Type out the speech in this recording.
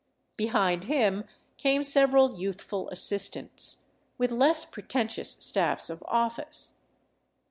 Behind him came several youthful assistants, with less pre tentious staffs of office.